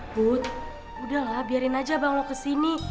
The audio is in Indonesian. but udahlah biarin aja bang lo kesini